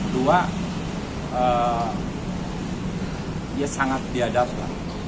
dua ia sangat diadaptan